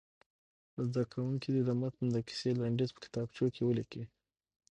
زده کوونکي دې د متن د کیسې لنډیز په کتابچو کې ولیکي.